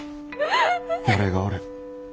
俺がおる。